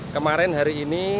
kemarin hari ini